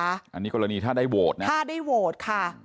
อันนี้กรณีถ้าได้โหวตนะ